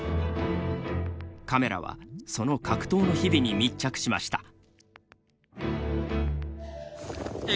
カメラはその格闘の日々に密着しました。